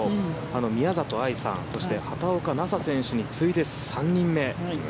宮里藍さんそして畑岡奈紗選手に次いで３人目。